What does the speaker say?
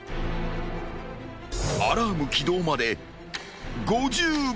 ［アラーム起動まで５０秒］